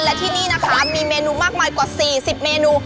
และที่นี่นะคะมีเมนูมากมายกว่า๔๐เมนู